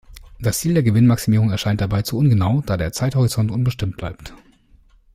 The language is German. Das Ziel der Gewinnmaximierung erscheint dabei zu ungenau, da der Zeithorizont unbestimmt bleibt.